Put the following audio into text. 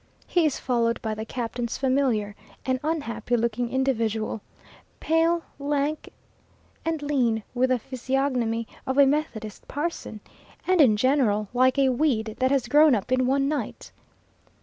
He is followed by the Captain's familiar, an unhappy looking individual, pale, lank, and lean, with the physiognomy of a methodist parson, and in general appearance like a weed that has grown up in one night.